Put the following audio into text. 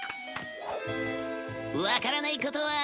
わからないことは。